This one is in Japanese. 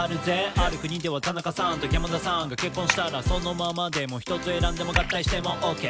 「ある国では田中さんと山田さんが結婚したら」「そのままでも１つ選んでも合体してもオッケー」